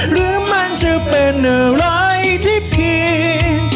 หรือมันจะเป็นอะไรที่ผิด